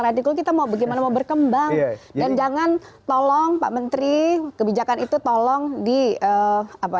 radikal kita mau bagaimana mau berkembang dan jangan tolong pak menteri kebijakan itu tolong di apa